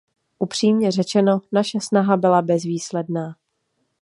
Upřímně řečeno, naše snaha byla bezvýsledná.